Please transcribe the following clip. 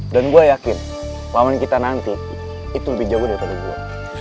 gue yakin lawan kita nanti itu lebih jauh daripada gue